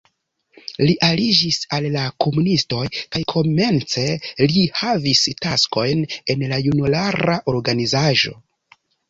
Li aliĝis al la komunistoj kaj komence li havis taskojn en la junulara organizaĵo.